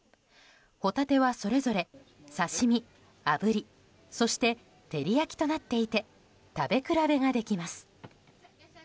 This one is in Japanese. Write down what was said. ホタテはそれぞれ刺し身、あぶりそして、照り焼きとなっていて食べ比べができます。